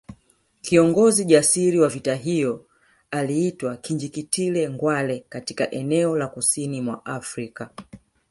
Kiongozi jasiri wa vita hivyo aliitwa Kinjekitile Ngwale katika eneo la kusini mwa Afrika